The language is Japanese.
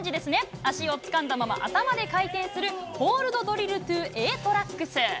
足をつかんだまま頭で回転するホールドドリルトゥエートラックス。